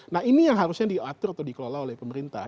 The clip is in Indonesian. nah ini yang harusnya diatur atau dikelola oleh pemerintah